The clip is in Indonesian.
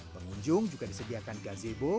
pengunjung juga disediakan gazebo